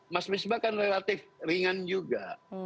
mas misbah kan relatif ringan juga